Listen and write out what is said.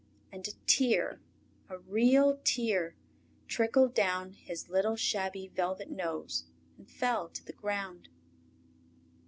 And a tear, a real tear, trickled down his little shabby velvet nose and fell to the ground.